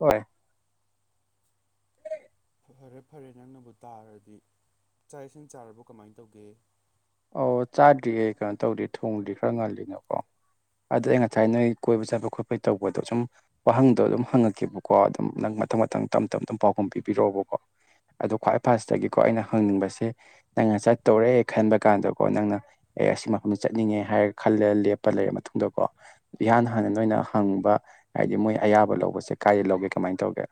ꯍꯣꯏ ꯐꯔꯦ ꯐꯔꯦ ꯅꯪꯅꯕꯨ ꯇꯥꯔꯗꯤ ꯆꯥꯛ ꯏꯁꯤꯡ ꯆꯥꯔꯕꯣ ꯀꯃꯥꯏꯟ ꯇꯧꯒꯦ ꯑꯣ ꯆꯥꯗ꯭ꯔꯤꯌꯦ ꯀꯩꯅꯣ ꯇꯧꯗꯦ ꯊꯣꯡꯗ꯭ꯔꯤ ꯈꯔ ꯉꯜꯂꯤꯅꯀꯣ ꯑꯗꯨ ꯑꯩ ꯉꯁꯥꯏ ꯅꯣꯏ ꯀꯣꯏꯕ ꯆꯠꯄ ꯈꯣꯠꯄꯩ ꯇꯧꯕꯗꯣ ꯁꯨꯝ ꯋꯥꯍꯪꯗꯣ ꯑꯗꯨꯝ ꯍꯪꯉꯛꯀꯦꯕꯀꯣ ꯑꯗꯨꯝ ꯅꯪ ꯃꯊꯪ ꯃꯊꯪ ꯇꯝ ꯇꯝ ꯑꯗꯨꯝ ꯄꯥꯎꯈꯨꯝ ꯄꯤꯕꯤꯔꯛꯑꯣꯕꯀꯣ ꯑꯗꯣ ꯈ꯭ꯋꯥꯏ ꯐꯥꯁꯇꯒꯤꯀꯣ ꯑꯩꯅ ꯍꯪꯅꯤꯡꯕꯁꯦ ꯅꯪꯅ ꯆꯠꯇꯧꯔꯦ ꯈꯟꯕ ꯀꯥꯟꯗꯀꯣ ꯅꯪꯅ ꯑꯦ ꯁꯤ ꯃꯐꯝꯖꯤ ꯆꯠꯅꯤꯡꯉꯦ ꯍꯥꯏꯔꯒ ꯈꯜꯂ ꯂꯦꯞꯄ ꯂꯩꯔ ꯃꯇꯨꯡꯗꯀꯣ ꯏꯍꯥꯟ ꯍꯥꯟꯅ ꯅꯣꯏꯅ ꯍꯪꯕ ꯍꯥꯏꯗꯤ ꯃꯣꯏ ꯑꯌꯥꯕ ꯂꯧꯕꯁꯦ ꯀꯥꯏꯗ ꯂꯧꯒꯦ ꯀꯃꯥꯏꯟ ꯇꯧꯒꯦ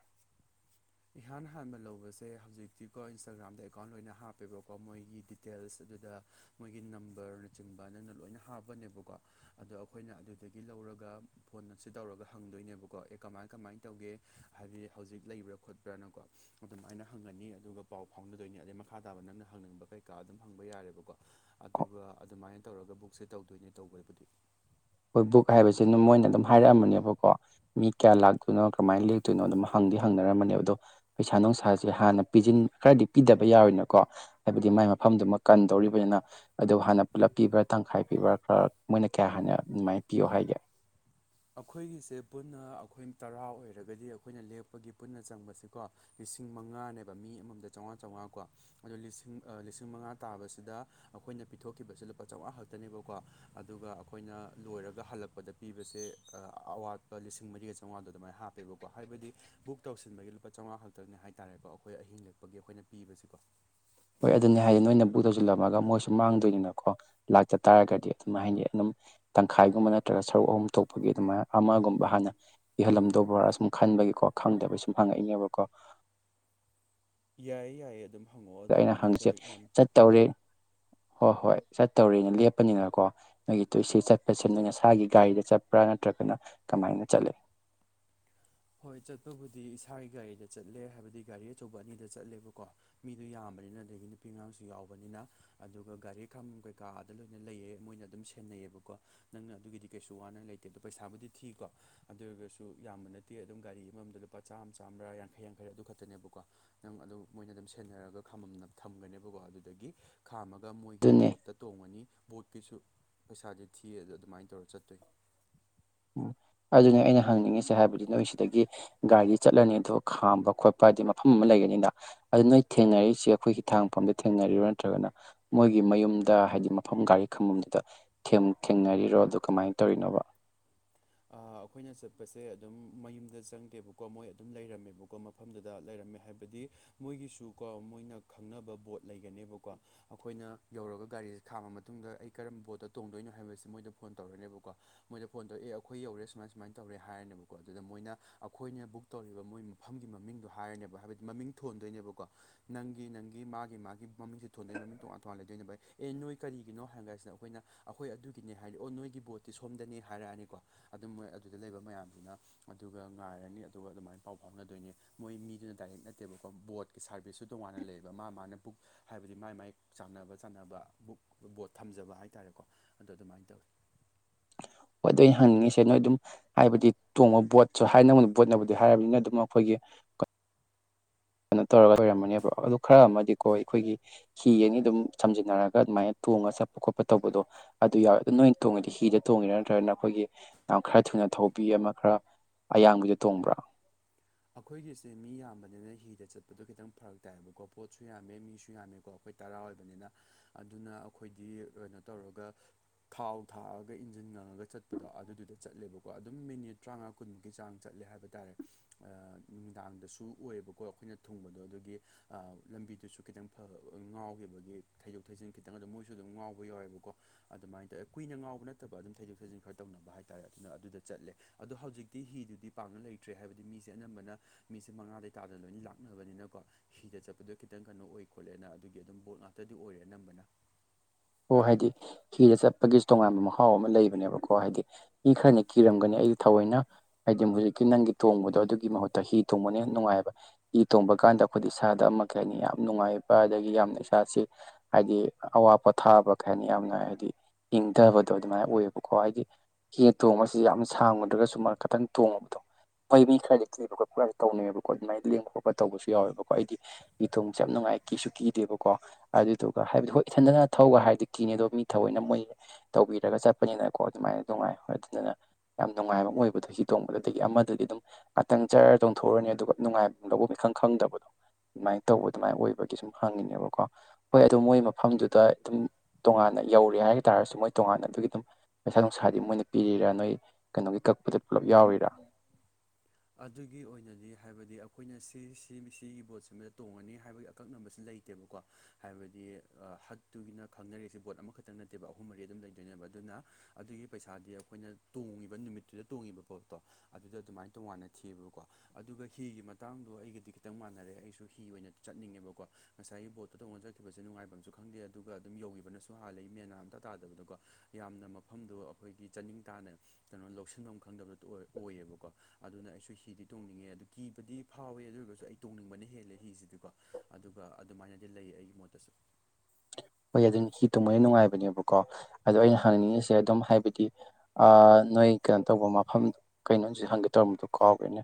ꯏꯍꯥꯟ ꯍꯥꯟꯕ ꯂꯧꯕꯁꯦ ꯍꯧꯖꯤꯛꯇꯤꯀꯣ ꯏꯟꯁꯇꯥꯒ꯭ꯔꯥꯝꯗ ꯑꯦꯀꯥꯎꯟ ꯂꯣꯏꯅ ꯍꯥꯞꯄꯦꯕꯀꯣ ꯃꯣꯏꯒꯤ ꯇꯦꯜꯁ ꯑꯗꯨꯗ ꯃꯣꯏꯒꯤ ꯅꯝꯕꯔꯅꯆꯤꯡꯕ ꯅꯪꯅ ꯂꯣꯏꯅ ꯍꯥꯞꯄꯅꯦꯕꯀꯣ ꯑꯗꯣ ꯑꯩꯈꯣꯏꯅ ꯑꯗꯨꯗꯒꯤ ꯂꯧꯔꯒ ꯐꯣꯟ ꯑꯁꯤ ꯇꯧꯔꯒ ꯍꯪꯗꯣꯏꯅꯦꯕꯀꯣ ꯑꯦ ꯀꯃꯥꯏ ꯀꯃꯥꯏꯟ ꯇꯧꯒꯦ ꯍꯥꯏꯗꯤ ꯍꯧꯖꯤꯛ ꯂꯩꯕ꯭ꯔꯞ ꯈꯣꯠꯄ꯭ꯔꯥꯅꯀꯣ ꯑꯗꯨꯃꯥꯏꯅ ꯍꯪꯉꯅꯤ ꯑꯗꯨꯒ ꯄꯥꯎ ꯐꯥꯎꯅꯗꯣꯏꯅꯤ ꯑꯗꯩ ꯃꯈꯥ ꯇꯥꯕ ꯅꯪꯅ ꯍꯪꯅꯤꯡꯕ ꯀꯩ ꯀꯥ ꯑꯗꯨꯝ ꯍꯪꯕ ꯌꯥꯔꯦꯕꯀꯣ ꯑꯗꯨꯒ ꯑꯗꯨꯃꯥꯏꯟ ꯇꯧꯔꯒ ꯕꯨꯛꯁꯦ ꯇꯧꯗꯣꯏꯅꯦ ꯇꯧꯕꯩꯕꯨꯗꯤ ꯍꯣꯏ ꯕꯨꯛ ꯍꯥꯏꯕꯁꯤꯅ ꯑꯗꯨꯝ ꯃꯣꯏꯅ ꯑꯗꯨꯝ ꯍꯥꯏꯔꯛꯑꯝꯃꯅꯦꯕꯀꯣ ꯃꯤ ꯀꯌꯥ ꯂꯥꯛꯇꯣꯏꯅꯣ ꯀꯃꯥꯏꯟ ꯂꯦꯛꯇꯣꯏꯅꯣ ꯑꯗꯨꯝ ꯍꯪꯗꯤ ꯍꯪꯅꯔꯝꯃꯅꯦꯕ ꯑꯗꯣ ꯄꯩꯁꯥ ꯅꯨꯡꯁꯥꯖꯦ ꯍꯥꯟꯅ ꯄꯤꯖꯤꯟ ꯈꯔꯗꯤ ꯄꯤꯗꯕ ꯌꯥꯔꯣꯏꯅꯀꯣ ꯍꯥꯏꯕꯗꯤ ꯃꯥꯏ ꯃꯐꯝꯗꯨꯃꯥ ꯀꯟꯗꯧꯔꯤꯕꯅꯤꯅ ꯑꯗꯨ ꯍꯥꯟꯅ ꯄꯨꯂꯞ ꯄꯤꯕ꯭ꯔꯥ ꯇꯪꯈꯥꯏ ꯄꯤꯕ꯭ꯔꯥ ꯈꯔ ꯃꯣꯏꯅ ꯀꯌꯥ ꯍꯥꯟꯅ ꯑꯗꯨꯃꯥꯏ ꯄꯤꯌꯨ ꯍꯥꯏꯒꯦ ꯑꯩꯈꯣꯏꯒꯤꯁꯦ ꯄꯨꯟꯅ ꯑꯩꯈꯣꯏ ꯇꯔꯥ ꯑꯣꯏꯔꯒꯗꯤ ꯑꯩꯈꯣꯏꯅ ꯂꯦꯛꯄꯒꯤ ꯄꯨꯟꯅ ꯆꯪꯕꯁꯦꯀꯣ ꯂꯤꯁꯤꯡ ꯃꯉꯥꯅꯦꯕ ꯃꯤ ꯑꯃꯃꯝꯗ ꯆꯥꯎꯉꯥ ꯆꯥꯎꯉꯥ ꯀꯣ ꯑꯗꯣ ꯂꯤꯁꯤꯡ ꯑ ꯂꯤꯁꯤꯡ ꯃꯉꯥ ꯇꯥꯕꯁꯤꯗ ꯑꯈꯣꯏꯅ ꯄꯤꯊꯣꯛꯈꯤꯕꯁꯦ ꯂꯨꯄꯥ ꯆꯧꯉꯥ ꯈꯛꯇꯅꯦꯕꯀꯣ ꯑꯗꯨꯒ ꯑꯈꯣꯏꯅ ꯂꯣꯏꯔꯒ ꯍꯜꯂꯛꯄꯗ ꯄꯤꯕꯁꯦ ꯑꯥ ꯑꯋꯥꯠꯄ ꯂꯤꯁꯤꯡ ꯃꯔꯤꯒ ꯆꯧꯉꯥꯗꯣ ꯑꯗꯨꯃꯥꯏꯅ ꯍꯥꯞꯄꯦꯕꯀꯣ ꯍꯥꯏꯕꯗꯤ ꯕꯨꯛ ꯇꯧꯁꯤꯟꯕꯒꯤ ꯂꯨꯄꯥ ꯆꯧꯉꯥ ꯈꯛꯇꯪꯅꯦ ꯍꯥꯏꯇꯥꯔꯦꯀꯣ ꯑꯩꯥꯈꯣꯏ ꯑꯍꯤꯡ ꯂꯦꯛꯄꯒꯤ ꯑꯩꯈꯣꯏꯅ ꯄꯤꯕꯁꯤꯀꯣ ꯍꯣꯏ ꯑꯗꯨꯅꯦ ꯍꯥꯏꯖꯦ ꯅꯣꯏꯅ ꯕꯨꯛ ꯇꯧꯁꯤꯜꯂꯝꯃꯒ ꯃꯣꯏꯁꯨ ꯃꯥꯡꯗꯣꯏꯅꯤꯅꯀꯣ ꯂꯥꯛꯇ ꯇꯥꯔꯒꯗꯤ ꯀꯃꯥꯏ ꯍꯥꯏꯅꯤ ꯑꯗꯨꯝ ꯇꯪꯈꯥꯏꯒꯨꯝꯕ ꯅꯠꯇ꯭ꯔꯒ ꯁꯔꯨꯛ ꯑꯍꯨꯝ ꯊꯣꯛꯄꯒꯤ ꯑꯗꯨꯃꯥꯏꯅ ꯑꯃꯒꯨꯝꯕ ꯍꯥꯟꯅ ꯄꯤꯍꯜꯂꯝꯗꯧꯕ꯭ꯔꯥ ꯁꯨꯝ ꯈꯟꯕꯒꯤꯀꯣ ꯈꯪꯗꯕꯒꯤ ꯁꯨꯝ ꯍꯪꯉꯛꯏꯅꯦꯕꯀꯣ ꯌꯥꯏꯌꯦ ꯌꯥꯏꯌꯦ ꯑꯗꯨꯝ ꯍꯪꯉꯛꯑꯣ ꯑꯗꯨꯏꯕꯨꯗꯤꯀꯣ ꯌꯥꯝ ꯇꯧꯔꯦ ꯍꯣ ꯍꯣꯏ ꯆꯠꯇꯧꯔꯦꯅ ꯂꯦꯞꯄꯅꯤꯗꯅ ꯀꯣ ꯅꯣꯏꯒꯤ ꯇꯨꯏꯁꯤ ꯆꯠꯄꯁꯤ ꯅꯣꯏꯅꯁꯥꯒꯤ ꯒꯥꯔꯤꯗ ꯆꯠꯄ꯭ꯔꯥ ꯅꯠꯇ꯭ꯔꯒꯅ ꯀꯃꯥꯏꯅ ꯆꯠꯂꯤ ꯍꯣꯏ ꯆꯠꯄꯕꯨꯗꯤ ꯏꯁꯥꯒꯤ ꯒꯥꯔꯤꯗ ꯆꯠꯂꯦ ꯍꯥꯏꯕꯗꯤ ꯒꯥꯔꯤ ꯑꯆꯧꯕ ꯑꯅꯤꯗ ꯆꯠꯂꯦꯕꯀꯣ ꯃꯤꯗꯣ ꯌꯥꯝꯕꯅꯤꯅ ꯑꯗꯒꯤ ꯅꯨꯄꯤ ꯑꯉꯥꯡꯁꯨ ꯌꯥꯎꯕꯅꯤꯅ ꯑꯗꯨꯒ ꯒꯥꯔꯤ ꯈꯥꯝꯕꯝ ꯀꯩꯀꯥ ꯑꯥꯗ ꯂꯣꯏꯅ ꯂꯩꯌꯦ ꯃꯣꯏꯅ ꯑꯗꯨꯝ ꯁꯦ ꯅꯩꯌꯦꯕꯀꯣ ꯅꯪꯅ ꯑꯗꯨꯒꯤꯗꯤ ꯀꯩꯁꯨ ꯋꯥꯅ ꯂꯩꯇꯦ ꯑꯗꯣ ꯄꯩꯁꯥꯕꯨꯗꯤ ꯊꯤꯀꯣ ꯑꯗꯨ ꯑꯣꯏꯔꯒꯁꯨ ꯌꯥꯝꯕ ꯅꯠ ꯇꯦ ꯑꯗꯨꯝ ꯒꯥꯔꯤ ꯑꯃꯃꯝꯗ ꯂꯨꯄꯥ ꯆꯥꯝꯃ ꯆꯥꯝꯃ꯭ꯔꯥ ꯌꯥꯡꯈꯩ ꯌꯥꯡꯈꯩꯔꯥ ꯑꯗꯨ ꯈꯛꯇꯅꯦꯕꯀꯣ ꯅꯪ ꯑꯗꯨ ꯃꯣꯏꯅ ꯑꯗꯨꯝ ꯁꯦꯟꯅꯔꯒ ꯈꯥꯝꯕꯝꯗ ꯊꯝꯒꯅꯦꯕꯀꯣ ꯑꯗꯨꯗꯒꯤ ꯈꯥꯝꯃꯒ ꯃꯣꯏꯒꯤ ꯑꯗꯨꯅꯦ ꯕꯣꯠꯇ ꯇꯣꯡꯉꯅꯤ ꯕꯣꯠꯀꯤꯁꯨ ꯄꯩꯁꯥꯗꯤ ꯊꯤꯌꯦ ꯑꯗꯣ ꯑꯗꯨꯃꯥꯏꯅ ꯇꯧꯔ ꯆꯠꯇꯣꯏꯅꯦ ꯎꯝ ꯑꯗꯨꯅꯦ ꯑꯩꯅ ꯍꯪꯅꯤꯡꯉꯤꯁꯦ ꯍꯥꯏꯕꯗꯤ ꯅꯣꯏ ꯁꯤꯗꯒꯤ ꯒꯥꯔꯤ ꯆꯠꯂꯅꯤ ꯑꯗꯣ ꯈꯥꯝꯕ ꯈꯣꯠꯄ ꯍꯥꯏꯗꯤ ꯃꯐꯝ ꯑꯃ ꯂꯩꯒꯅꯤꯅ ꯑꯗꯨ ꯅꯣꯏ ꯊꯦꯡꯅꯔꯤꯁꯤ ꯑꯩꯈꯣꯏꯒꯤ ꯍꯤꯊꯥꯡꯐꯝꯗ ꯊꯦꯡꯅꯔꯤꯔꯣ ꯅꯠꯇ꯭ꯔꯒꯅ ꯃꯣꯏꯒꯤ ꯃꯌꯨꯝꯗ ꯍꯥꯏꯗꯤ ꯃꯐꯝ ꯒꯥꯔꯤ ꯈꯥꯝꯕꯝꯗꯨꯗ ꯈꯦꯝ ꯊꯦꯡꯅꯔꯤꯔꯣ ꯑꯗꯨ ꯀꯝꯃꯥꯏ ꯇꯧꯔꯤꯅꯣꯕ ꯑꯥ ꯑꯩꯈꯣꯏꯅ ꯆꯠꯄꯁꯦ ꯑꯗꯨꯝ ꯃꯌꯨꯝꯗ ꯆꯪꯗꯦꯕꯀꯣ ꯃꯣꯏ ꯑꯗꯨꯝ ꯂꯩꯔꯝꯃꯦꯕꯀꯣ ꯃ ꯃꯐꯝꯗꯨꯗ ꯂꯩꯔꯝꯃꯦ ꯍꯥꯏꯕꯗꯤ ꯃꯣꯏꯒꯤꯁꯨ ꯀꯣ ꯃꯣꯏꯅ ꯈꯪꯅꯕ ꯕꯣꯠ ꯂꯩꯒꯅꯦꯕꯀꯣ ꯑꯩꯈꯣꯏꯅ ꯌꯧꯔꯒ ꯒꯥꯔꯤꯁꯦ ꯈꯥꯝꯃ ꯃꯇꯨꯡꯗ ꯑꯩ ꯀꯔꯝꯕ ꯕꯣꯠꯇ ꯇꯣꯡꯗꯣꯏꯅꯣ ꯍꯥꯏꯕꯁꯤ ꯃꯣꯏꯗ ꯐꯣꯟ ꯇꯧꯔꯅꯦꯕꯀꯣ ꯃꯣꯏꯗ ꯐꯣꯟ ꯇꯧ ꯑꯦꯑꯥꯎ ꯑꯩꯈꯣꯏ ꯌꯧꯔꯦ ꯁꯨꯃꯥꯏ ꯁꯨꯃꯥꯏꯅ ꯇꯧꯔꯦ ꯍꯥꯏꯔꯅꯦꯕꯀꯣ ꯑꯗꯨꯗ ꯃꯣꯏꯅ ꯑꯩꯈꯣꯏꯅ ꯕꯨꯛ ꯇꯧꯔꯤꯕ ꯃꯣꯏ ꯃꯐꯝꯒꯤ ꯃꯃꯤꯡꯗꯣ ꯍꯥꯏꯔꯅꯦꯕ ꯍꯥꯏꯕꯗ ꯃꯃꯤꯡ ꯊꯣꯟꯗꯣꯏꯅꯦꯕꯀꯣ ꯅꯪꯒꯤ ꯅꯪꯒꯤ ꯃꯥꯒꯤ ꯃꯥꯒꯤ ꯃꯃꯤꯡꯁꯦ ꯊꯣꯟꯗꯣꯏꯅꯤ ꯃꯃꯤꯡ ꯇꯣꯉꯥꯟ ꯇꯣꯉꯥꯟꯅ ꯂꯩꯗꯣꯏꯕ ꯑꯦ ꯅꯣꯏ ꯀꯔꯤꯒꯤꯅꯣ ꯍꯥꯏꯔꯒꯁꯤꯗ ꯑꯩꯈꯣꯏꯅ ꯑꯩꯈꯣꯏ ꯑꯗꯨꯒꯤꯅꯦ ꯍꯥꯏꯗꯤ ꯑꯣ ꯅꯣꯏꯒꯤ ꯕꯣꯠꯇꯤ ꯁꯣꯝꯗꯅꯦ ꯍꯥꯏꯔꯛꯑꯅꯤꯀꯣ ꯑꯗꯨꯝ ꯃꯣꯏ ꯑꯗꯨꯗ ꯂꯩꯕ ꯃꯌꯥꯝꯗꯨꯅ ꯑꯗꯨꯒ ꯉꯥꯏꯔꯅꯤ ꯑꯗꯨꯒ ꯑꯗꯨꯃꯥꯏꯅ ꯄꯥꯎ ꯐꯥꯎꯅꯗꯣꯏꯅꯤ ꯃꯣꯏ ꯃꯤꯗꯨꯅ ꯗꯥꯏꯔꯦꯛ ꯅꯠꯇꯦꯕꯀꯣ ꯕꯣꯠꯀꯤ ꯁꯥꯔꯚꯤꯁꯁꯨ ꯇꯣꯉꯥꯟꯅ ꯂꯩꯌꯦꯕ ꯃꯥ ꯃꯥꯅ ꯕꯨꯛ ꯍꯥꯏꯕꯗꯤ ꯃꯥꯏ ꯃꯥꯏ ꯆꯥꯟꯅꯕ ꯆꯥꯟꯅꯕ ꯕꯨꯛ ꯕꯣꯠ ꯊꯝꯖꯕ ꯍꯥꯏ ꯇꯥꯔꯦꯀꯣ ꯑꯗꯣ ꯑꯗꯨꯃꯥꯏꯅ ꯇꯧꯋꯤ ꯍꯣꯏ ꯑꯗꯨ ꯑꯩꯅ ꯍꯪꯅꯤꯡꯉꯤꯁꯦ ꯅꯣꯏ ꯑꯗꯨꯝ ꯍꯥꯏꯕꯗꯤ ꯇꯣꯡꯕ ꯕꯣꯠꯁꯨ ꯍꯥꯏꯅ [unintelligible] ꯕꯣꯠꯅꯕꯨꯗꯤ ꯍꯥꯏꯔꯕꯅꯤꯅ ꯑꯗꯨꯝ ꯑꯩꯈꯣꯏꯒꯤ ꯀꯩꯅꯣ ꯇꯧꯔꯒ ꯂꯣꯏꯔꯝꯃꯅꯦꯕ ꯑꯗꯣ ꯈꯔ ꯑꯃꯗꯤꯀꯣ ꯑꯩꯈꯣꯏꯒꯤ ꯍꯤ ꯑꯅꯤ ꯑꯗꯨꯝ ꯁꯝꯖꯤꯟꯅꯔꯒ ꯑꯗꯨꯃꯥꯏꯅ ꯇꯣꯡꯉꯥ ꯆꯠꯄ ꯈꯣꯠꯄ ꯇꯧꯕꯗꯣ ꯑꯗꯨ ꯌꯥꯎꯋꯦ ꯑꯗꯨ ꯅꯣꯏ ꯇꯣꯡꯉꯤꯗꯣ ꯍꯤꯗ ꯇꯣꯡꯉꯤꯔ ꯅꯠꯇ꯭ꯔꯒꯅ ꯑꯩꯈꯣꯏꯒꯤ ꯌꯥꯝ ꯈꯔ ꯊꯨꯅ ꯊꯧꯕꯤ ꯑꯃ ꯈꯔ ꯑꯌꯥꯡꯕꯤꯗ ꯇꯣꯡꯕ꯭ꯔꯥ ꯑꯩꯈꯣꯏꯒꯤꯁꯦ ꯃꯤ ꯌꯥꯝꯕꯅꯤꯅ ꯍꯤꯗ ꯆꯠꯄꯗꯣ ꯈꯤꯇꯪ ꯐꯔꯛ ꯇꯥꯏꯕꯀꯣ ꯄꯣꯠꯁꯨ ꯌꯥꯝꯃꯦ ꯃꯤꯁꯨ ꯌꯥꯝꯃꯦꯀꯣ ꯑꯩꯈꯣꯏ ꯇꯔꯥ ꯑꯣꯏꯕꯅꯤꯅ ꯑꯗꯨꯅ ꯑꯩꯈꯣꯏꯗꯤ ꯀꯩꯅꯣ ꯇꯧꯔꯒ ꯊꯥꯎ ꯊꯥꯛꯑꯒ ꯏꯟꯖꯤꯟ ꯉꯪꯉꯒ ꯆꯠꯄꯗꯣ ꯑꯗꯨꯗꯨꯗ ꯆꯠꯂꯦꯕꯀꯣ ꯑꯗꯨꯝ ꯃꯤꯅꯤꯠ ꯇꯔꯥꯃꯉꯥ ꯀꯨꯟꯃꯨꯛꯀꯤ ꯆꯥꯡ ꯆꯠꯂꯦ ꯍꯥꯏꯕ ꯇꯥꯔꯦ ꯑꯥ ꯅꯨꯃꯤꯗꯥꯡꯗꯁꯨ ꯑꯣꯏꯌꯦꯕꯀꯣ ꯑꯩꯈꯣꯏꯅ ꯊꯨꯡꯕꯗꯣ ꯑꯗꯨꯒꯤ ꯑ ꯂꯝꯕꯤꯗꯨꯁꯨ ꯈꯤꯇꯪ ꯐ ꯉꯥꯎꯒꯤꯕꯒꯤ ꯊꯩꯗꯣꯛ ꯊꯩꯖꯤꯟ ꯈꯤꯇꯪ ꯑꯗꯨꯝ ꯃꯣꯏꯁꯨ ꯑꯗꯨꯝ ꯉꯥꯎꯕ ꯌꯥꯎꯋꯦꯕꯀꯣ ꯑꯗꯨꯃꯥꯏꯟ ꯇꯧꯑꯦ ꯀꯨꯏꯅ ꯉꯥꯎꯕ ꯅꯠꯇꯕ ꯑꯗꯨꯝ ꯊꯩꯗꯣꯛ ꯊꯩꯖꯤꯟ ꯈꯔ ꯇꯧꯅꯕ ꯍꯥꯏꯇꯥꯔꯦ ꯑꯗꯨꯅ ꯑꯗꯨꯗ ꯆꯠꯂꯦ ꯑꯗꯣ ꯍꯧꯖꯤꯛꯇꯤ ꯍꯤꯗꯨꯗꯤ ꯄꯥꯛꯅ ꯂꯩꯇ꯭ꯔꯦ ꯍꯥꯏꯕꯗꯤ ꯃꯤꯁ ꯁꯦ ꯑꯅꯝꯕꯅ ꯃꯤꯁꯦ ꯃꯉꯥꯗ ꯇꯥꯗꯅ ꯂꯣꯏꯅ ꯂꯥꯛꯅꯕꯅꯤꯅꯀꯣ ꯍꯤꯗ ꯆꯠꯄꯗꯣ ꯈꯤꯇꯪ ꯀꯩꯅꯣ ꯑꯣꯏ ꯈꯣꯠꯂꯦꯅ ꯑꯗꯨꯒꯤ ꯑꯗꯨꯝ ꯕꯣꯠ ꯉꯥꯛꯇꯗꯤ ꯑꯣꯏꯔꯦ ꯑꯅꯝꯕꯅ ꯑꯣ ꯍꯥꯏꯗꯤ ꯍꯤꯗꯥ ꯆꯠꯄꯒꯤꯁꯨ ꯇꯣꯉꯥꯟꯕ ꯃꯍꯥꯎ ꯑꯃ ꯂꯩꯕꯅꯦꯕꯀꯣ ꯍꯥꯏꯗꯤ ꯃꯤ ꯈꯔꯅ ꯀꯤꯔꯝꯒꯅꯤ ꯑꯩꯗꯤ ꯊꯑꯣꯏꯅ ꯍꯥꯏꯗꯤꯃꯨꯛ ꯍꯨꯖꯤꯛꯀꯤ ꯅꯪꯒꯤ ꯇꯣꯡꯕꯗꯣ ꯑꯗꯨꯒꯤ ꯃꯍꯨꯠꯇ ꯍꯤ ꯇꫭꯡꯕꯅ ꯍꯦꯟꯅ ꯅꯨꯡꯉꯥꯏꯑꯦꯕ ꯍꯤ ꯇꯣꯡꯕ ꯀꯥꯟꯗ ꯑꯩꯈꯣꯏꯗ ꯏꯁꯥꯗ ꯑꯃ ꯀꯩ ꯍꯥꯏꯅꯤ ꯌꯥꯝ ꯅꯨꯡꯉꯥꯏꯕ ꯑꯗꯥꯒꯤ ꯌꯥꯝꯅ ꯏꯁꯥꯁꯦ ꯍꯥꯏꯗꯤ ꯑꯋꯥ ꯄꯣꯠ ꯊꯥꯕ ꯀꯩ ꯍꯥꯏꯅꯤ ꯌꯥꯝꯅ ꯍꯥꯏꯗꯤ ꯏꯪꯙꯕꯗꯣ ꯑꯗꯨꯃꯥꯏ ꯑꯣꯏꯌꯦꯕꯀꯣ ꯍꯥꯏꯗꯤ ꯍꯤ ꯇꯣꯡꯕꯁꯤ ꯌꯥꯝ ꯁꯥꯡꯉꯨꯗ꯭ꯔꯥꯒꯁꯨ ꯃꯥ ꯈꯤꯇꯪ ꯇꯣꯡꯉꯨꯕꯗꯣ ꯍꯣꯏ ꯃꯤ ꯈꯔꯗꯤ ꯀꯤꯕ ꯈꯣꯠꯄꯒꯁꯦ ꯇꯧꯅꯩꯕꯀꯣ ꯑꯗꯨꯃꯥꯏ ꯂꯦꯡꯕ ꯈꯣꯠꯄ ꯇꯧꯕꯁꯨ ꯌꯥꯎꯋꯦꯕꯀꯣ ꯑꯩꯗꯤ ꯍꯤ ꯇꯣꯡꯕꯁꯦ ꯌꯥꯝ ꯅꯨꯡꯉꯥꯏ ꯀꯤꯁꯨ ꯀꯤꯗꯦꯕꯀꯣ ꯑꯗꯨꯗꯨꯒ ꯍꯥꯏꯕꯗꯤ ꯍꯣꯏ ꯏꯊꯟꯗꯅ ꯊꯧꯒ ꯍꯥꯏꯗꯤ ꯀꯤꯅꯤ ꯑꯗꯣ ꯃꯤ ꯊꯑꯣꯏꯅ ꯃꯣꯏ ꯇꯧꯕꯤꯔꯒ ꯆꯠꯄꯅꯤꯅꯀꯣ ꯑꯗꯨꯃꯥꯏꯅ ꯅꯨꯡꯉꯥꯏ ꯍꯣꯏ ꯑꯗꯨꯗꯨꯅ ꯌꯥꯝ ꯅꯨꯡꯉꯥꯏꯕ ꯑꯃ ꯑꯣꯏꯕꯗꯣ ꯍꯤ ꯇꯣꯡꯕꯗꯨꯗꯒꯤ ꯑꯃꯗꯨꯗꯤ ꯑꯗꯨꯝ ꯉꯥꯛꯇꯪ ꯖ꯭ꯔ ꯇꯣꯡꯊꯣꯛꯎꯔꯅꯤ ꯑꯗꯨꯒ ꯅꯨꯡꯉꯥꯏꯚꯝ ꯂꯧꯕꯝ ꯏꯈꯪ ꯈꯪꯗꯕꯗꯣ ꯑꯗꯨꯃꯥꯏ ꯇꯧꯕ ꯑꯗꯨꯃꯥꯏ ꯑꯣꯏꯕꯒꯤ ꯁꯨꯝ ꯍꯪꯉꯤꯅꯦꯕꯀꯣ ꯍꯣꯏ ꯑꯗꯣ ꯃꯣꯏ ꯃꯐꯝꯗꯨꯗ ꯑꯗꯨꯝ ꯇꯣꯉꯥꯟꯅ ꯌꯧꯔꯦ ꯍꯥꯏ ꯇꯥꯔꯁꯨ ꯃꯣꯏ ꯇꯣꯉꯥꯟꯅ ꯑꯗꯨꯒꯤ ꯑꯗꯨꯝ ꯄꯩꯁꯥ ꯅꯨꯡꯁꯥꯗꯤ ꯃꯣꯏꯅ ꯄꯤꯔꯤꯔꯥ ꯅꯣꯏ ꯀꯩꯅꯣꯒꯤ ꯀꯛꯄꯗ ꯄꯨꯂꯞ ꯌꯥꯎꯔꯤꯔꯥ ꯑꯗꯨꯒꯤ ꯑꯣꯏꯅꯗꯤ ꯍꯥꯏꯕꯗꯤ ꯑꯩꯈꯣꯏꯅ ꯁꯤ ꯁꯤ ꯁꯤꯒꯤ ꯕꯣꯠꯁꯤꯃꯗ ꯇꯣꯡꯉꯅꯤ ꯍꯥꯏꯕꯒꯤ ꯑꯀꯛꯅꯕꯁꯤ ꯂꯩꯇꯦꯕꯀꯣ ꯍꯥꯏꯕꯗꯤ ꯍꯠꯇꯨꯒꯤꯅ ꯈꯪꯅꯔꯤꯁꯦ ꯕꯣꯠ ꯑꯃꯈꯛꯇꯪ ꯅꯠꯇꯦꯕ ꯑꯍꯨꯝ ꯃꯔꯤ ꯑꯗꯨꯝ ꯂꯩꯗꯣꯏꯅꯦꯕ ꯑꯗꯨꯅ ꯑꯗꯨꯒꯤ ꯄꯩꯁꯥꯗꯤ ꯑꯩꯈꯣꯏꯅ ꯇꯣꯡꯉꯤꯕ ꯅꯨꯃꯤꯠꯇꯨꯗ ꯇꯣꯡꯉꯤꯕ ꯄꯣꯠꯇꯣ ꯑꯗꯨꯗ ꯑꯗꯨꯃꯥꯏ ꯇꯣꯉꯥꯟꯅ ꯊꯤꯑꯦꯕꯀꯣ ꯑꯗꯨꯒ ꯍꯤꯒꯤ ꯃꯇꯥꯡꯗꯣ ꯑꯩꯒꯗꯤ ꯈꯤꯇꯪ ꯃꯥꯟꯅꯔꯦ ꯑꯩꯁꯨ ꯍꯤ ꯑꯣꯏꯅ ꯆꯠꯅꯤꯡꯉꯦꯕꯀꯣ ꯉꯁꯥꯏꯒꯤ ꯕꯣꯠꯇꯨ ꯇꯧꯉ ꯆꯠꯈꯤꯕꯁꯦ ꯅꯨꯡꯉꯥꯏꯕꯝꯁꯨ ꯈꯪꯗꯦ ꯑꯗꯨꯒ ꯑꯗꯨꯝ ꯌꯧꯈꯤꯕꯅꯁꯨ ꯍꯥꯥꯟꯂꯦ ꯃꯦꯟꯃꯥꯟ ꯑꯝꯇ ꯇꯥꯗꯕꯗꯣꯀꯣ ꯌꯥꯝꯅ ꯃꯐꯝꯗꯣ ꯑꯩꯈꯣꯏꯒꯤ ꯆꯥꯅꯤꯡ ꯇꯥꯅ ꯀꯩꯅꯣ ꯂꯧꯁꯤꯟꯐꯝ ꯈꯪꯗꯕꯗꯣ ꯑꫭꯏ ꯑꯣꯏꯌꯦꯕꯀꯣ ꯑꯗꯨꯅ ꯑꯩꯁꯨ ꯍꯤꯗꯤ ꯇꯣꯡꯅꯤꯡꯉꯦ ꯑꯗꯨ ꯀꯤꯕꯗꯤ ꯐꯥꯎꯋꯦ ꯑꯗꯨ ꯑꯣꯏꯔꯒꯁꯨ ꯑꯩ ꯇꯣꯡꯅꯤꯡꯕꯅ ꯍꯦꯜꯂꯦ ꯍꯤꯁꯤꯗꯤꯀꯣ ꯑꯗꯨꯒ ꯑꯗꯨꯃꯥꯏꯅꯗꯤ ꯂꯩ ꯑꯩꯒꯤ ꯃꯣꯠꯇꯁꯨ ꯍꯣꯏ ꯑꯗꯨꯅꯤ ꯍꯤ ꯇꯣꯝꯕ ꯅꯨꯡꯉꯥꯏꯕꯅꯦꯕꯀꯣ ꯑꯗꯣ ꯑꯩꯅ ꯍꯪꯅꯤꯡꯉꯤꯁꯦ ꯑꯗꯨꯝ ꯍꯥꯏꯕꯗꯤ ꯑ ꯅꯣꯏ ꯀꯩꯅꯣ ꯇꯧꯕ ꯃꯐꯝ ꯀꯩꯅꯣ ꯑꯩꯅ ꯍꯧꯖꯤꯛ ꯍꯪꯒꯦ ꯇꯧꯔꯝꯕꯗꯨ ꯀꯥꯎꯈ꯭ꯔꯦꯅꯦ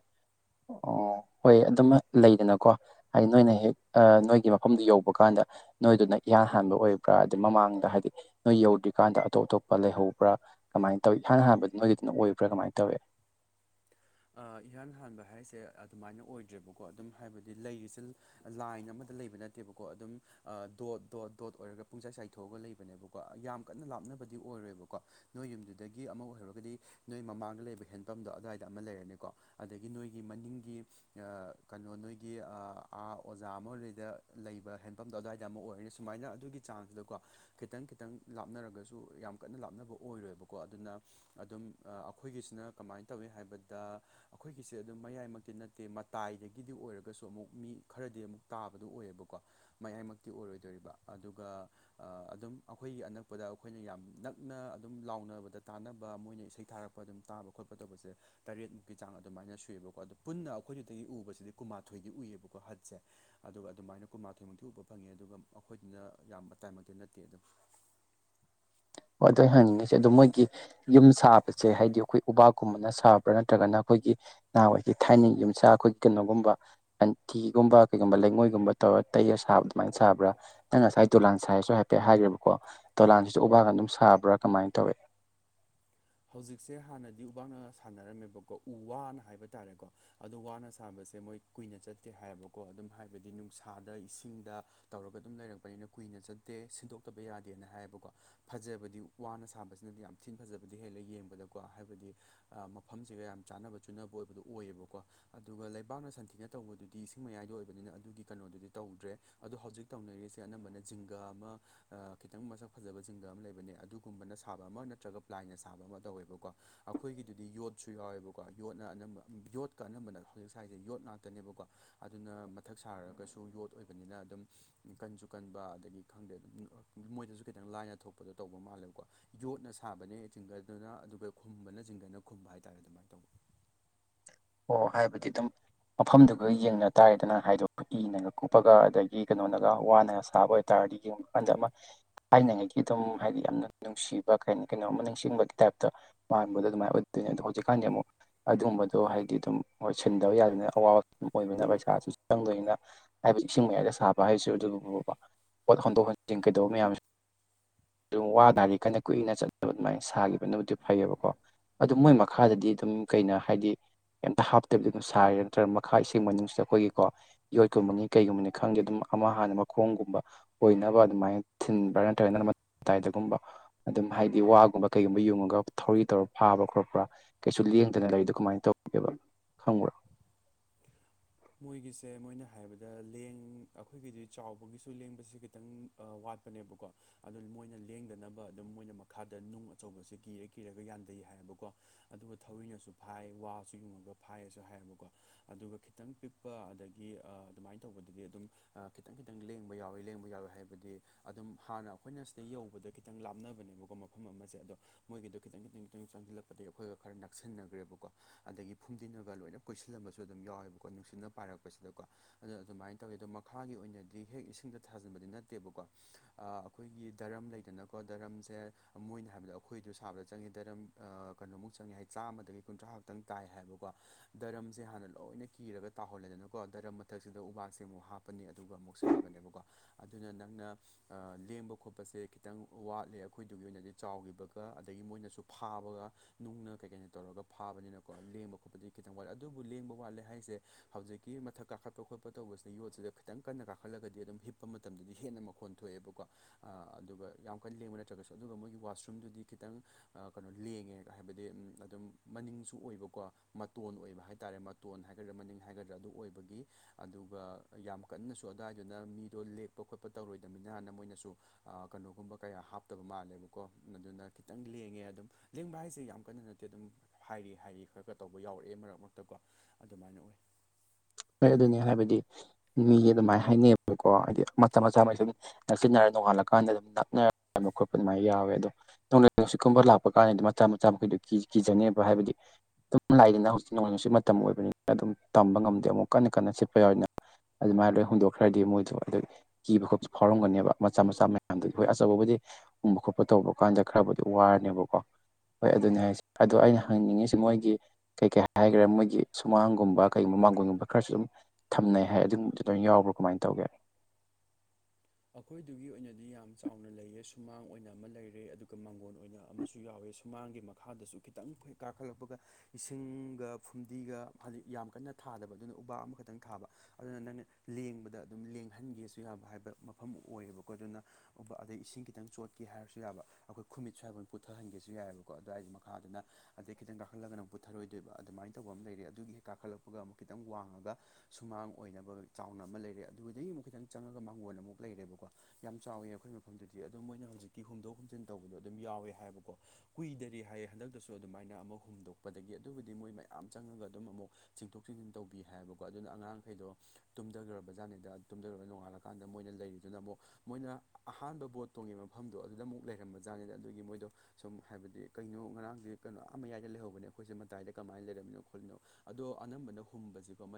ꯑꯣ ꯍꯣꯏ ꯑꯗꯨꯃ ꯂꯩꯗꯅꯀꯣ ꯍꯥꯏꯗꯤ ꯅꯣꯏꯅ ꯍꯦꯛ ꯑ ꯅꯣꯏꯒꯤ ꯃꯐꯝꯗꯨ ꯌꯧꯕ ꯀꯥꯟꯗ ꯅꯣꯏꯗꯨꯅ ꯏꯍꯥꯟ ꯍꯥ ꯍꯥꯟꯕ ꯑꯣꯏꯕ꯭ꯔꯥ ꯑꯗꯩ ꯃꯃꯥꯡꯗ ꯍꯥꯏꯗꯤ ꯅꯣꯏ ꯌꯧꯗ꯭ꯔꯤꯀꯥꯟꯗ ꯑꯇꯣꯞ ꯑꯇꯣꯞꯄ ꯂꯩꯍꯧꯕ꯭ꯔꯥ ꯀꯃꯥꯏ ꯇꯧꯏ ꯏꯍꯥꯟ ꯍꯥꯟꯕꯗꯨ ꯅꯣꯏꯒꯤꯗꯨꯅ ꯑꯣꯏꯕ꯭ꯔꯥ ꯀꯃꯥꯏ ꯇꯧꯏ ꯑꯥ ꯏꯍꯥꯟ ꯍꯥꯟꯕ ꯍꯥꯏꯁꯦ ꯑꯗꯨꯃꯥꯏꯅ ꯑꯣꯏꯗ꯭ꯔꯦꯕꯀꯣ ꯑꯗꯨꯝ ꯍꯥꯏꯕꯗꯤ ꯂꯩꯔꯤꯁꯦꯜ ꯂꯥꯏꯟ ꯑꯃꯗ ꯂꯩꯕ ꯅꯠꯇꯦꯕꯀꯣ ꯑꯗꯨꯝ ꯑꯥ ꯗꯣꯠ ꯗꯣꯠ ꯗꯣꯠ ꯑꯣꯏꯔꯒ ꯄꯨꯡꯆꯥꯏ ꯆꯥꯏꯊꯣꯛꯑꯒ ꯂꯩꯕꯅꯦꯕꯀꯣ ꯌꯥꯝ ꯀꯟꯅ ꯂꯥꯞꯅꯕꯗꯤ ꯑꯣꯏꯔꯣꯏꯕꯀꯣ ꯅꯣꯏ ꯌꯨꯝꯗꯨꯗꯒꯤ ꯑꯃ ꯑꯣꯏꯍꯧꯔꯒꯗꯤ ꯅꯣꯏ ꯃꯃꯥꯡꯗ ꯂꯩꯕ ꯍꯦꯟꯄꯝꯗꯣ ꯑꯗꯨꯋꯥꯏ ꯗ ꯑꯃ ꯂꯩꯔꯅꯤꯀꯣ ꯑꯗꯥꯒꯤ ꯅꯣꯏꯒꯤ ꯃꯅꯤꯡꯒꯤ ꯌ ꯀꯩꯅꯣ ꯅꯣꯏꯒꯤ ꯑꯥ ꯑꯥ ꯑꯣꯖꯥ ꯑꯃ ꯑꫭꯜꯔꯦꯗ ꯂꯩꯕ ꯍꯦꯟꯄꯝꯗꯣ ꯑꯗꯨꯋꯥꯏꯗ ꯑꯃ ꯑꯣꯏꯔ ꯁꯤ ꯁꯨꯃꯥꯏꯅ ꯑꯗꯨꯒꯤ ꯆꯥꯡꯁꯤꯗꯀꯣ ꯈꯤꯇꯪ ꯈꯤꯇꯪ ꯂꯥꯞꯅꯔꯒꯁꯨ ꯌꯥꯝ ꯀꯟꯅ ꯂꯥꯞꯅꯕ ꯑꯣꯏꯔꯣꯏꯕꯀꯣ ꯑꯗꯨꯅ ꯑꯗꯨꯝ ꯑꯩꯈꯣꯏꯒꯤꯁꯤꯅ ꯀꯃꯥꯏꯅ ꯇꯧꯏ ꯍꯥꯏꯕꯗ ꯑꯩꯈꯣꯏꯒꯤꯁꯦ ꯑꯗꯨꯝ ꯃꯌꯥꯏꯃꯛꯇꯤ ꯅꯠꯇꯦ ꯃꯇꯥꯏꯗꯒꯤꯗꯤ ꯑꯣꯏꯔꯒꯁꯨ ꯑꯃꯨꯛ ꯃꯤ ꯈꯔꯗꯤ ꯑꯃꯨꯛ ꯇꯥꯕꯗꯨ ꯑꯣꯏꯌꯦꯕꯀꯣ ꯃꯌꯥꯏꯃꯛꯇꯤ ꯑꯣꯏꯔꯣꯏꯗꯣꯔꯤꯕ ꯑꯗꯨꯒ ꯑꯗꯨꯝ ꯑꯩꯈꯣꯏꯒꯤ ꯑꯅꯛꯄꯗ ꯑꯩꯈꯣꯏꯅ ꯌꯥꯝ ꯅꯛꯅ ꯑꯗꯨꯝ ꯂꯥꯎꯅꯕꯗ ꯇꯥꯟꯅꯕ ꯃꯣꯏꯅ ꯏꯁꯩ ꯊꯥꯔꯛ ꯄ ꯑꯗꯨꯝ ꯇꯥꯕ ꯈꯣꯠꯄ ꯇꯧꯕꯁꯦ ꯇꯔꯦꯠꯃꯨꯛꯀꯤ ꯆꯥꯡ ꯑꯗꯨꯃꯥꯏꯅ ꯁꯨꯏꯌꯦꯕꯀꯣ ꯑꯗꯨ ꯄꯨꯟꯅ ꯑꯈꯣꯏꯗꯨꯗꯒꯤ ꯎꯕꯁꯤꯗꯤ ꯀꯨꯃꯥꯊꯣꯏꯗꯤ ꯎꯏꯌꯦꯕꯀꯣ ꯍꯠꯁꯦ ꯑꯗꯨꯒ ꯑꯗꯨꯃꯥꯏꯅ ꯀꯨꯃꯥꯊꯣꯏꯃꯨꯛꯇꯤ ꯎꯕ ꯐꯪꯉꯦ ꯑꯗꯨꯒ ꯑꯈꯣꯏꯗꯨꯅ ꯌꯥꯝ ꯃꯇꯥꯏꯃꯛꯇꯤ ꯅꯠꯇꯦ ꯑꯗꯨꯝ ꯍꯣꯏ ꯑꯗꯨ ꯑꯩ ꯍꯪꯅꯤꯡꯉꯤꯁꯦ ꯑꯗꯣ ꯃꯣꯏꯒꯤ ꯌꯨꯝ ꯁꯥꯕꯁꯦ ꯍꯥꯏꯗꯤ ꯑꯈꯣꯏ ꯎꯕꯥꯛꯀꯨꯝꯕꯅ ꯁꯥꯕ꯭ꯔꯥ ꯅꯠꯇ꯭ꯔꯒꯅ ꯑꯈꯣꯏꯒꯤ ꯅꯍꯥꯋꯥꯏꯒꯤ ꯊꯥꯏꯅꯒꯤ ꯌꯨꯝꯁꯥ ꯑꯈꯣꯏ ꯀꯩꯅꯣꯒꯨꯝꯕ ꯁꯟꯊꯤꯒꯨꯝꯕ ꯀꯩꯒꯨꯝꯕ ꯂꯩꯉꯣꯏꯒꯨꯝꯕ ꯇꯧꯔ ꯇꯩꯔ ꯁꯥꯕ ꯑꯗꯨꯃꯥꯏꯅ ꯁꯥꯕ꯭ꯔꯥ ꯅꯪ ꯉꯁꯥꯏ ꯗꯣꯂꯥꯟ ꯁꯥꯏꯌꯦꯁꯨ ꯍꯥꯏꯐꯦꯠ ꯍꯥꯏꯒ꯭ꯔꯦꯕꯀꯣ ꯗꯣꯂꯥꯟꯁꯤꯁꯨ ꯎꯕꯥꯛꯅ ꯑꯗꯨꯝ ꯁꯥꯕ꯭ꯔꯥ ꯀꯃꯥꯏꯟ ꯇꯧꯋꯤ ꯍꯧꯖꯤꯛꯁꯦ ꯍꯥꯟꯅꯗꯤ ꯎꯕꯥꯛꯅꯒ ꯁꯥꯟꯅꯔꯝꯃꯦꯕꯀꯣ ꯎ ꯋꯥꯅ ꯍꯥꯏꯕ ꯇꯥꯔꯦꯀꯣ ꯑꯗꯣ ꯋꯥꯅ ꯁꯥꯕꯁꯦ ꯃꯣꯏ ꯀꯨꯏꯅ ꯆꯠꯇꯦ ꯍꯥꯏꯌꯦꯕꯀꯣ ꯑꯗꯨꯝ ꯍꯥꯏꯕꯗꯤ ꯅꯨꯡꯁꯥꯗ ꯏꯁꯤꯡꯗ ꯇꯧꯔꯒ ꯑꯗꯨꯝ ꯂꯩꯔꯛꯄꯅꯤꯅ ꯀꯨꯏꯅ ꯆꯠꯇꯦ ꯁꯤꯟꯗꯣꯛꯇꯕ ꯌꯥꯗꯦꯅ ꯍꯥꯏꯌꯦꯕꯀꯣ ꯐꯖꯕꯗꯤ ꯋꯥꯅ ꯁꯥꯕꯁꯤꯅꯗꯤ ꯌꯥꯝ ꯊꯤꯅ ꯐꯖꯕꯗꯤ ꯍꯦꯜꯂꯦ ꯌꯦꯡꯕꯗꯀꯣ ꯍꯥꯏꯕꯗꯤ ꯑꯥ ꯃꯐꯝꯁꯤꯒ ꯌꯥꯝ ꯆꯥꯅꯕ ꯆꯨꯅꯕ ꯑꯣꯏꯕꯗꯣ ꯑꯣꯏꯌꯦꯕꯀꯣ ꯑꯗꯨꯒ ꯂꯩꯕꯥꯛꯅ ꯁꯟꯊꯤꯅ ꯇꯧꯕꯗꯨꯗꯤ ꯏꯁꯤꯡ ꯃꯌꯥꯏꯗ ꯑꯣꯏꯕꯅꯤꯅ ꯑꯗꯨꯒꯤ ꯀꯩꯅꯣꯗꯨꯗꯤ ꯇꯧꯗ꯭ꯔꯦ ꯑꯗꯣ ꯍꯧꯖꯤꯛ ꯇꯧꯅꯔꯤꯁꯦ ꯑꯅꯝꯕꯅ ꯖꯤꯡꯒꯥ ꯑꯃ ꯑꯥ ꯈꯤꯇꯪ ꯃꯁꯛ ꯐꯖꯕ ꯖꯤꯡꯒ ꯑꯃ ꯂꯩꯕꯅꯦ ꯑꯗꯨꯒꯨꯝꯕꯅ ꯁꯥꯕ ꯑꯃ ꯅꯠꯇ꯭ꯔꯒ ꯄ꯭ꯂꯥꯏꯅ ꯁꯥꯕ ꯑꯃ ꯇꯧꯋꯦꯕꯀꯣ ꯑꯈꯣꯏꯒꯤꯗꯨꯗꯤ ꯌꯣꯠꯁꯨ ꯌꯥꯎꯋꯦꯕꯀꯣ ꯌꯣꯠꯅ ꯑꯅꯝꯕ ꯌꯣꯠꯀ ꯑꯅꯝꯕꯅ ꯍꯧꯖꯤꯛ ꯁꯥꯏꯁꯦ ꯌꯣꯠ ꯉꯥꯛꯇꯅꯦꯕꯀꯣ ꯑꯗꯨꯅ ꯃꯊꯛ ꯁꯥꯔꯒꯁꯨ ꯌꯣꯠ ꯑꯣꯏꯕꯅꯤꯅ ꯑꯗꯨꯝ ꯀꯟꯖꯨ ꯀꯟꯕ ꯑꯗꯒꯤ ꯈꯪꯗꯦ ꯑꯗꯨꯝ ꯃꯣꯏꯗꯁꯨ ꯈꯤꯇꯪ ꯂꯥꯏꯅ ꯊꯣꯛꯄꯗꯣ ꯇꯧꯕ ꯃꯥꯜꯂꯦꯕꯀꯣ ꯌꯣꯠꯅ ꯁꯥꯕꯅꯦ ꯖꯤꯡꯒꯗꯨꯅ ꯑꯗꯨꯒ ꯈꯨꯝꯕꯅ ꯖꯤꯡꯒꯅ ꯈꯨꯝꯕ ꯍꯥꯏꯇꯥꯔꯦ ꯑꯗꯨꯃꯥꯏꯅ ꯇꯧꯕ ꯑꯣ ꯍꯥꯏꯕꯗꯤ ꯑꯗꯨꯝ ꯃꯐꯝꯗꯨꯒ ꯌꯦꯡꯅ ꯇꯥꯔꯦꯗꯅ ꯍꯥꯏꯗꯣꯛ ꯏꯅꯒ ꯀꯨꯞꯄꯒ ꯑꯗꯒꯤ ꯀꯩꯅꯣꯅꯒ ꯋꯥꯅꯒ ꯁꯥꯕ ꯑꯣꯏꯇꯥꯔꯗꯤ ꯌꯦꯡꯕ ꯀꯥꯟꯗ ꯑꯃ ꯊꯥꯏꯅꯉꯩꯒꯤ ꯑꯗꯨꯝ ꯍꯥꯏꯗꯤ ꯌꯥꯝꯅ ꯅꯨꯡꯁꯤꯕ ꯀꯩꯅꯣꯝ ꯑꯃ ꯅꯤꯡꯁꯤꯡꯕꯒꯤ ꯇꯥꯏꯞꯇ ꯃꯥꯟꯕꯗꯣ ꯑꯗꯨꯃꯥꯏ ꯑꯣꯏꯗꯣꯏꯅꯦ ꯑꯗꯣ ꯍꯧꯖꯤꯛꯀꯥꯟꯗꯤ ꯑꯃꯨꯛ ꯑꯗꯨꯒꯨꯝꯕꯗꯣ ꯍꯥꯏ ꯗꯤ ꯑꯗꯨꯝ ꯍꯣꯏ ꯁꯤꯟꯗꯕ ꯌꯥꯗ [unintelligible] ꯑꯋꯥꯕ ꯑꯗꯨꯝ ꯑꯣꯏꯕꯅꯤ ꯄꯩꯁꯥꯁꯨ ꯆꯪꯗꯣꯏꯅꯤꯅ ꯍꯥꯏꯕꯗꯤ ꯏꯁꯤꯡ ꯃꯌꯥꯏꯗ ꯁꯥꯕ ꯍꯥꯏꯁꯨ ꯑꯗꯨꯒꯨꯝꯕ ꯄꯣꯠ ꯍꯣꯟꯗꯣꯛ ꯍꯣꯟꯖꯤꯟ ꯀꯩꯗꯧꯕ ꯃꯌꯥꯝ ꯑꯗꯨꯝ ꯋꯥ [unintelligible] ꯀꯟꯅ ꯀꯨꯏꯅ ꯆꯠꯄ ꯑꯗꯨꯃꯥꯏꯅ ꯁꯥꯒꯤꯕꯅꯕꯨꯗꯤ ꯐꯩꯑꯦꯕꯀꯣ ꯑꯗꯨ ꯃꯣꯏ ꯃꯈꯥꯗꯗꯤ ꯑꯗꯨꯝ ꯀꯩꯅ ꯍꯥꯏꯗꯤ ꯀꯩꯝꯇ ꯍꯥꯞꯇꯕꯗꯤ ꯑꯗꯨꯝ ꯁꯥꯥꯏꯔꯥ ꯅꯠꯇ꯭ꯔꯒ ꯃꯈꯥ ꯏꯁꯤꯡ ꯃꯅꯨꯡꯁꯤꯗ ꯑꯈꯣꯏꯒꯤꯀꯣ ꯌꯣꯠꯀꯨꯝꯕꯅꯤ ꯀꯩꯒꯨꯝꯕꯅꯤ ꯈꯪꯗꯦ ꯑꯗꯨꯝ ꯑꯃ ꯍꯥꯟꯅ ꯃꯈꯣꯡꯒꯨꯝꯕ ꯑꯣꯏꯅꯕ ꯑꯗꯨꯃꯥꯏ ꯊꯤꯟꯕ꯭ꯔꯥ ꯅꯠꯇ꯭ꯔꯒ ꯃꯇꯥꯏꯗꯒꯨꯝꯕ ꯑꯗꯨꯝ ꯍꯥꯏꯗꯤ ꯋꯥꯒꯨꯝꯕ ꯀꯩꯒꯨꯝꯕ ꯌꯨꯡꯉꯒ ꯊꯧꯔꯤ ꯇꯧꯔꯒ ꯐꯥꯕ ꯈꯣꯠꯄ꯭ꯔꯥ ꯀꯩꯁꯨ ꯂꯦꯡꯗꯅ ꯂꯩꯔꯤꯗꯣ ꯀꯃꯥꯏꯅ ꯇꯧꯒꯦꯕ ꯈꯪꯕ꯭ꯔꯣ ꯃꯣꯏꯒꯤꯁꯦ ꯃꯣꯏꯅ ꯍꯥꯏꯕꯗ ꯂꯦꯡ ꯑꯈꯣꯏꯒꯤꯗꯤ ꯆꯥꯎꯕꯒꯤꯁꯨ ꯂꯦꯡꯕꯁꯦ ꯈꯤꯇꯪ ꯑꯥ ꯋꯥꯠꯄꯅꯦꯕꯀꯣ ꯑꯗꯨ ꯃꯣꯏꯅ ꯂꯦꯡꯗꯅꯕ ꯑꯗꯨꯝ ꯃꯣꯏꯅ ꯃꯈꯥꯗ ꯅꯨꯡ ꯑꯆꯧꯕꯁꯦ ꯀꯤꯔ ꯀꯤꯔꯒ ꯌꯥꯟꯗꯩ ꯍꯥꯏꯌꯦꯕꯀꯣ ꯑꯗꯨꯒ ꯊꯧꯔꯤꯅꯁꯨ ꯐꯥꯏ ꯋꯥꯁꯨ ꯌꯨꯡꯉꯒ ꯐꯥꯏꯑꯦꯁꯨ ꯍꯥꯏꯌꯦꯕꯀꯣ ꯑꯗꯨꯒ ꯈꯤ ꯇꯪ ꯄꯤꯛꯄ ꯑꯗꯒꯤ ꯑꯥ ꯑꯗꯨꯃꯥꯏꯅ ꯇꯧꯕꯗꯨꯗꯤ ꯑꯗꯨꯝ ꯑꯥ ꯈꯤꯇꯪ ꯈꯤꯇꯪ ꯂꯦꯡꯕ ꯌꯥꯎꯋꯤ ꯂꯦꯡꯕ ꯌꯥꯎꯋꯤ ꯍꯥꯏꯕꯗꯤ ꯑꯗꯨꯝ ꯍꯥꯟꯅ ꯑꯈꯣꯏꯅ ꯁꯤꯗ ꯌꯧꯕꯗ ꯈꯤꯇꯪ ꯂꯥꯞꯅꯕꯅꯦꯕꯀꯣ ꯃꯐꯝ ꯑꯃꯁꯦ ꯑꯗꯣ ꯃꯣꯏꯒꯤꯗꯣ ꯈꯤꯇꯪ ꯈꯤꯇꯪ ꯈꯤꯇꯪ ꯆꯪꯁꯤꯜꯂꯛꯄꯗꯒꯤ ꯑꯩꯈꯣꯏꯒ ꯈꯔ ꯅꯛꯁꯤꯟꯅꯒ꯭ꯔꯦꯕꯀꯣ ꯑꯗꯒꯤ ꯐꯨꯝꯗꯤꯅꯒ ꯂꯣꯏꯅ ꯀꯣꯏꯁꯤꯜꯂꯝꯕꯁꯨ ꯑꯗꯨꯝ ꯌꯥꯎꯋꯦꯕꯀꯣ ꯅꯨꯡꯁꯤꯠꯅ ꯄꯥꯏꯔꯛꯄꯁꯤꯗꯀꯣ ꯑꯗꯣ ꯑꯗꯨꯃꯥꯏꯅ ꯇꯧꯋꯤ ꯑꯗꯣ ꯃꯈꯥꯒꯤ ꯑꯣꯏꯅꯗꯤ ꯍꯦꯛ ꯏꯁꯤꯡꯗ ꯊꯥꯖꯤꯟꯕꯗꯤ ꯅꯠꯇꯦꯕꯀꯣ ꯑꯥ ꯑꯩꯈꯣꯏꯒꯤ ꯗꯔꯝ ꯂꯩꯗꯅꯀꯣ ꯗꯔꯝꯁꯦ ꯃꯣꯏꯅ ꯍꯥꯏꯕꯗ ꯑꯈꯣꯏꯗ ꯁꯥꯕꯗ ꯆꯪꯉꯤ ꯗꯔꯝ ꯀꯩꯅꯣꯃꯨꯛ ꯆꯪꯉꯦ ꯍꯥꯏ ꯆꯥꯝꯃꯗꯒꯤ ꯀꯨꯟꯊ꯭ꯔꯥ ꯈꯇꯪ ꯇꯥꯏ ꯍꯥꯏꯕꯀꯣ ꯗꯔꯝꯁꯦ ꯍꯥꯟꯅ ꯂꯣꯏꯅ ꯀꯤꯔꯒ ꯇꯥꯎꯍꯜꯂꯦꯗꯅꯀꯣ ꯗꯔꯝ ꯃꯊꯛꯁꯤꯗ ꯎꯄꯥꯛꯁꯦ ꯑꯃꯨꯛ ꯍꯥꯞꯄꯅꯤ ꯑꯗꯨꯒ ꯑꯃꯨꯛ ꯁꯥꯕꯅꯦꯕꯀꯣ ꯑꯗꯨꯅ ꯅꯪꯅ ꯑꯥ ꯂꯦꯝꯕ ꯈꯣꯠꯄꯁꯦ ꯈꯤꯇꯪ ꯋꯥꯠꯂꯦ ꯑꯩꯈꯣꯏꯗꯨꯒꯤ ꯑꯣꯏꯅꯗꯤ ꯆꯥꯎꯈꯤꯕꯒ ꯑꯗꯒꯤ ꯃꯣꯏꯅꯁꯨ ꯐꯥꯕꯒ ꯅꯨꯡꯅ ꯀꯩ ꯀꯩꯅ ꯇꯧꯔꯒ ꯐꯥꯕꯅꯤꯅꯀꯣ ꯂꯦꯡꯕ ꯈꯣꯠꯄꯗꯤ ꯈꯤꯇꯪ ꯋꯥꯠꯂꯦ ꯑꯗꯨꯕꯨ ꯂꯦꯡꯕ ꯋꯥꯠꯂꯦ ꯍꯥꯏ ꯁꯦ ꯍꯧꯖꯤꯛꯀꯤ ꯃꯊꯛ ꯀꯥꯈꯠꯄ ꯈꯣꯠꯄ ꯇꯧꯕꯁꯤꯗ ꯌꯣꯠꯁꯤꯗ ꯈꯤꯇꯪ ꯀꯟꯅ ꯀꯥꯈꯠꯂꯒꯗꯤ ꯑꯗꯨꯝ ꯍꯤꯞ ꯇꯨꯝꯕ ꯃꯇꯝꯗꯗꯤ ꯍꯦꯟꯅ ꯃꯈꯣꯟ ꯊꯣꯛꯑꯦꯕꯀꯣ ꯑꯥ ꯑꯗꯨꯒ ꯌꯥꯝ ꯀꯟꯅ ꯂꯦꯡꯕ ꯅꯠꯇ꯭ꯔꯒꯁꯨ ꯑꯗꯨꯒ ꯃꯣꯏꯒꯤ ꯋꯥꯁꯔꯨꯝꯗꯨꯗꯤ ꯈꯤꯇꯪ ꯀꯩꯅꯣ ꯂꯦꯡꯉꯦ ꯍꯥꯏꯕꯗꯤ ꯑꯗꯨꯝ ꯃꯅꯤꯡꯁꯨ ꯑꯣꯏꯕꯀꯣ ꯃꯇꯣꯟ ꯑꯣꯏꯕ ꯍꯥꯏꯇꯥꯥꯔꯦ ꯃꯇꯣꯟ ꯍꯥꯏ ꯃꯅꯤꯡ ꯍꯥꯏꯒꯗ꯭ꯔꯥ ꯑꯗꯨ ꯑꯣꯏꯕꯒꯤ ꯑꯗꯨꯒ ꯌꯥꯝ ꯀꯟꯅꯁꯨ ꯑꯗꯨꯋꯥꯏꯗꯨꯅ ꯃꯤꯗꯣ ꯂꯦꯛꯄ ꯈꯣꯠꯄ ꯇꯧꯔꯣꯏꯗꯝꯅꯤꯅ ꯃꯣꯏꯅꯁꯨ ꯑꯥ ꯀꯩꯅꯣꯒꯨꯝꯕ ꯀꯌꯥ ꯍꯥꯞꯇꯕ ꯃꯥꯜꯂꯦꯕꯀꯣ ꯑꯗꯨꯅ ꯈꯤꯇꯪ ꯂꯦꯡꯉꯦ ꯑꯗꯨꯝ ꯂꯦꯡꯕ ꯍꯥꯏꯁꯦ ꯌꯥꯝ ꯀꯟꯅ ꯅꯠꯇꯦ ꯑꯗꯨꯝ ꯍꯥꯏꯔꯤ ꯍꯥꯏꯔꯤ ꯈꯔ ꯈꯔ ꯇꯧꯕ ꯌꯥꯎꯔꯛꯑꯦ ꯃꯔꯛ ꯃꯔꯛꯇꯀꯣ ꯑꯗꯨꯃꯥꯏꯅ ꯑꯣꯏ ꯍꯣꯏ ꯑꯗꯨꯅꯤ ꯍꯥꯏꯕꯗꯤ ꯃꯤꯗꯤ ꯑꯗꯨꯃꯥꯏꯅ ꯍꯥꯏꯅꯩꯌꯦꯕꯀꯣ ꯍꯥꯏꯗꯤ ꯃꯆꯥ ꯃꯆꯥ ꯃꯩꯁꯨ ꯑꯗꯨꯝ ꯅꯛꯁꯤꯟꯅꯔ ꯅꯣꯡꯉꯥꯜꯂꯀꯥꯟꯗ ꯑꯗꯨꯝ ꯑꯗꯨꯃꯥꯏꯅ ꯌꯥꯎꯋꯦ ꯑꯗꯨꯝ ꯅꯣꯡꯂꯩ ꯅꯨꯡꯁꯤꯠ ꯀꯨꯝꯕ ꯂꯥꯛꯄ ꯀꯥꯟꯗꯗꯤ ꯃꯆꯥ ꯃꯆꯥ ꯃꯈꯩꯗꯣ ꯀꯤ ꯀꯤꯖꯅꯦꯕ ꯍꯥꯏꯕꯗꯤ ꯑꯗꯨꯝ ꯂꯥꯛꯏꯗꯅ ꯍꯧꯖꯤꯛ ꯅꯣꯡꯂꯩ ꯅꯨꯡꯁꯤꯠ ꯃꯇꯝ ꯑꯣꯏꯕꯅꯤꯅ ꯑꯗꯨꯝ ꯇꯝꯕ ꯉꯝꯗꯦ ꯑꯃꯨꯛ ꯀꯟꯅ ꯀꯟꯅ ꯁꯤꯠꯄ ꯌꯥꯎꯋꯅꯤꯅ ꯑꯗꯨꯃꯥꯏꯅ ꯂꯣꯏ ꯍꯨꯝꯗꯣꯛꯈ꯭ꯔꯗꯤ ꯃꯣꯏꯁꯨ ꯑꯗꯨꯒꯤ ꯀꯤꯕ ꯈꯣꯠꯄꯁꯨ ꯐꯥꯎꯔꯝꯒꯅꯦꯕ ꯃꯆꯥ ꯃꯆꯥ ꯃꯌꯥꯝꯗꯗꯤ ꯍꯣꯏ ꯑꯆꯧꯕꯕꯨꯗꯤ ꯇꯨꯝꯕ ꯈꯣꯠꯄ ꯇꯧꯕ ꯀꯥꯟꯗ ꯈꯔꯕꯨꯗꯤ ꯋꯥꯔꯅꯦꯕꯀꯣ ꯍꯣꯏ ꯑꯗꯨꯅꯤ ꯍꯥꯏꯁꯦ ꯑꯗꯣ ꯑꯩꯅ ꯍꯪꯅꯤꯡꯉꯤꯁꯦ ꯃꯣꯏꯒꯤ ꯀꯩ ꯀꯩ ꯍꯥꯏꯈ꯭ꯔꯦ ꯃꯣꯏꯒꯤ ꯁꯨꯃꯥꯡꯒꯨꯝꯕ ꯀꯩꯒꯨꯝꯕ ꯃꯥꯡꯒꯣꯟꯒꯨꯝꯕ ꯈꯔꯁꯨ ꯑꯗꯨꯝ ꯊꯝꯅꯩ ꯍꯥꯏ ꯑꯗꯨꯝ ꯑꯗꯨ ꯌꯥꯎꯕ꯭ꯔꯣ ꯀꯃꯥꯏꯅ ꯇꯧꯒꯦ ꯑꯩꯈꯣꯏꯗꯨꯒꯤ ꯑꯣꯏꯅꯗꯤ ꯌꯥꯝ ꯆꯥꯎꯅ ꯂꯩꯑꯦ ꯁꯨꯃꯥꯡ ꯑꯣꯏꯅ ꯑꯃ ꯂꯩꯔꯦ ꯑꯗꯨꯒ ꯃꯥꯡꯒꯣꯟ ꯑꯣꯏꯅ ꯑꯃꯁꯨ ꯌꯥꯎꯋꯦ ꯁꯨꯃꯥꯡꯒꯤ ꯃꯈꯥꯗꯁꯨ ꯈꯤꯇꯪ ꯍꯦꯛ ꯀꯥꯈꯠꯂꯛꯄꯒ ꯏꯁꯤꯡꯒ ꯐꯨꯝꯗꯤꯒ ꯍꯥꯏꯗꯤ ꯌꯥꯝ ꯀꯟꯅ ꯊꯥꯗꯕ ꯑꯗꯨꯅ ꯎꯄꯥꯛ ꯑꯃꯈꯛꯇꯪ ꯊꯥꯕ ꯑꯗꯨꯅ ꯅꯪꯅ ꯂꯦꯡꯕꯗ ꯑꯗꯨꯝ ꯂꯦꯡꯍꯟꯒꯦꯁꯨ ꯌꯥꯕ ꯍꯥꯏꯕ ꯃꯐꯝ ꯑꯣꯏꯌꯦꯕꯀꯣ ꯑꯗꯨꯅ ꯑꯗꯩ ꯏꯁꯤꯡ ꯈꯤꯇꯪ ꯆꯣꯠꯀꯦ ꯍꯥꯏꯔꯁꯨ ꯌꯥꯕ ꯑꯩꯈꯣꯏ ꯈꯨꯃꯤꯠ ꯁ꯭ꯋꯥꯏꯕꯧ ꯑꯃ ꯄꯨꯊꯍꯟꯒꯦꯁꯨ ꯌꯥꯏꯕꯀꯣ ꯑꯗꯨꯋꯥꯏꯒꯤ ꯃꯈꯥꯗꯨꯅ ꯑꯗꯩ ꯈꯤꯇꯪ ꯀꯥꯈꯠꯂꯒꯅ ꯑꯃꯨꯛ ꯄꯨꯊꯔꯣꯏꯗꯣꯏꯕ ꯑꯗꯨꯃꯥꯏꯅ ꯇꯧꯕ ꯑꯃ ꯂꯩꯔꯦ ꯑꯗꯨꯒꯤ ꯍꯦꯛ ꯀꯥꯈꯠꯂꯛꯒ ꯑꯃꯨꯛ ꯈꯤꯇꯪ ꯋꯥꯡꯉꯒ ꯁꯨꯃꯥꯡ ꯑꯣꯏꯅꯕ ꯆꯥꯎꯅ ꯑꯃ ꯂꯩꯔꯦ ꯑꯗꯨꯗꯩ ꯑꯃꯨꯛ ꯈꯤꯇꯪ ꯆꯪꯉꯒ ꯃꯥꯡꯒꯣꯟꯅ ꯑꯃꯨꯛ ꯂꯩꯔꯦꯕꯀꯣ ꯌꯥꯝ ꯆꯥꯎꯋꯦ ꯑꯩꯈꯣꯏ ꯃꯐꯝꯗꯨꯗꯤ ꯑꯗꯨꯗꯣ ꯃꯣꯏꯅ ꯍꯧꯖꯤꯛꯤ ꯍꯨꯝꯗꯣꯛ ꯍꯨꯝꯖꯤꯟ ꯇꯧꯕꯗꯣ ꯑꯗꯨꯝ ꯌꯥꯎꯋꯦ ꯍꯥꯏꯕꯀꯣ ꯀꯨꯏꯗꯔꯤ ꯍꯥꯏꯌꯦ ꯍꯟꯗꯛꯇꯁꯨ ꯑꯗꯨꯃꯥꯏꯅ ꯑꯃ ꯍꯨꯝꯗꯣꯛꯄꯗꯒꯤ ꯑꯗꯨꯕꯨꯗꯤ ꯃꯣꯏ ꯃꯌꯥꯝ ꯆꯪꯉꯒ ꯑꯗꯨꯝ ꯑꯃꯨꯛ ꯆꯤꯡꯊꯣꯛ ꯆꯤꯡꯁꯤꯟ ꯇꯧꯕꯤ ꯍꯥꯏꯌꯦꯕꯀꯣ ꯑꯗꯨꯅ ꯑꯉꯥꯡꯈꯩꯗꯣ ꯇꯨꯝꯊꯈ꯭ꯔꯕ ꯖꯥꯠꯅꯤꯗ ꯇꯨꯝꯊꯈ꯭ꯔꯕ ꯅꯣꯡꯉꯥꯜꯂꯀꯥꯟꯗ ꯃꯣꯏꯅ ꯂꯩꯔꯤꯗꯨꯅ ꯑꯃꯨꯛ ꯃꯣꯏꯅ ꯑꯍꯥꯟꯕ ꯕꯣꯠ ꯇꯣꯡꯉꯤꯕ ꯃꯐꯝꯗꯣ ꯑꯗꯨꯗ ꯑꯃꯨꯛ ꯂꯩꯔꯝꯕꯖꯥꯠꯅꯤꯗ ꯑꯗꯨꯒꯤ ꯃꯣꯏꯗꯣ ꯁꯨꯝ ꯍꯥꯏꯕꯗꯤ ꯀꯩꯅꯣ ꯉꯔꯥꯡꯗꯤ ꯀꯩꯅꯣ ꯑꯃꯌꯥꯏꯗ ꯂꯩꯍꯧꯕꯅꯦ ꯑꯩꯈꯣꯏꯁꯦ ꯃꯇꯥꯏꯗ ꯀꯃꯥꯏꯅ ꯂꯩꯔꯝꯃꯤꯅꯣ ꯈꯣꯠꯂꯤꯅꯣ ꯑꯗꯣ ꯑꯅꯝꯕꯅ ꯍꯨꯝꯕꯁꯤꯀꯣ ꯃ